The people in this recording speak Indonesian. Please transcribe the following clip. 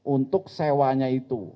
untuk sewanya itu